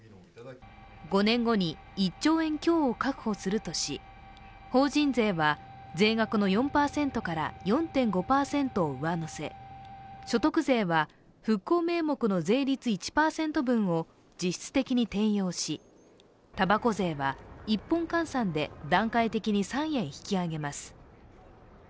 ５年後に１兆円強を確保するとし法人税は税額の４％から４．５％を上乗せ、所得税は復興名目の税率１％分を実質的に転用したばこ税は１本換算で段階的に３円引き上げます。